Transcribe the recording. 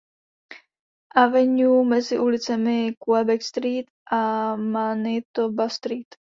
Avenue mezi ulicemi Quebec Street a Manitoba Street.